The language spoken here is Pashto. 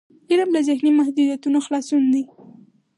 علم له ذهني محدودیتونو خلاصون دی.